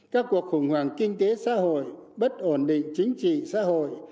các cuộc khủng hoảng kinh tế xã hội bất ổn định chính trị xã hội